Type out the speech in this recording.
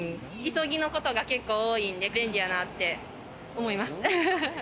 急ぎのことが結構多いんで、便利やなって思います。